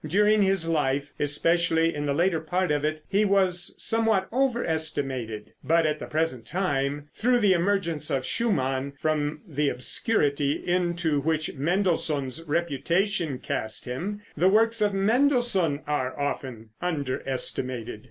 During his life, especially in the later part of it, he was somewhat over estimated; but at the present time, through the emergence of Schumann from the obscurity into which Mendelssohn's reputation cast him, the works of Mendelssohn are often underestimated.